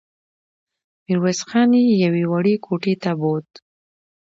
ميرويس خان يې يوې وړې کوټې ته بوت.